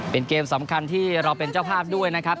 เป็นเกมสำคัญที่เราเป็นเจ้าภาพด้วยนะครับ